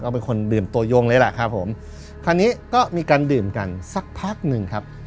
เป็นคนดื่มตัวยงเลยแหละครับผมคราวนี้ก็มีการดื่มกันสักพักหนึ่งครับ